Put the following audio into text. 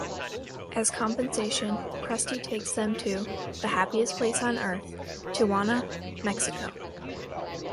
As compensation, Krusty takes them to "the happiest place on Earth", Tijuana, Mexico.